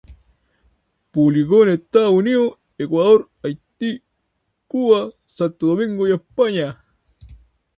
Publicó en Estados Unidos, Ecuador, Haití, Cuba, Santo Domingo y España.